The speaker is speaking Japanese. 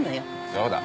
そうだ。